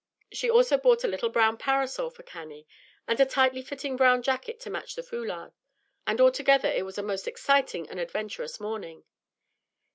She also bought a little brown parasol for Cannie, and a tightly fitting brown jacket to match the foulard; and altogether it was a most exciting and adventurous morning.